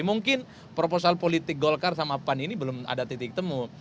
mungkin proposal politik golkar sama pan ini belum ada titik temu